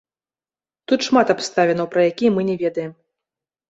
Тут шмат абставінаў, пра якія мы не ведаем.